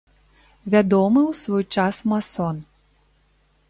Вядомы ў свой час масон.